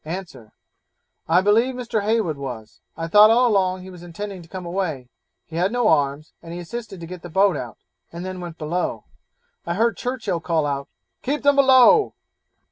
Answer 'I believe Mr. Heywood was; I thought all along he was intending to come away; he had no arms, and he assisted to get the boat out, and then went below; I heard Churchill call out, 'Keep them below.'